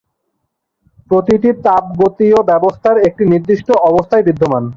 প্রতিটি তাপগতীয় ব্যবস্থা একটি নির্দিষ্ট অবস্থায় বিদ্যমান।